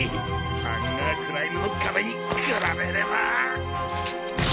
『ハンガークライム』の壁に比べれば。